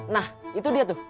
nah itu dia tuh